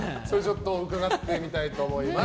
伺ってみたいと思います。